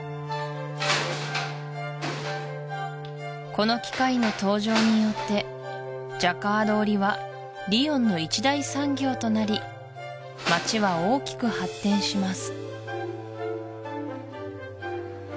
この機械の登場によってジャカード織りはリヨンの一大産業となり街は大きく発展します